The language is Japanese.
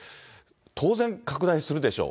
当然、拡大するでしょう。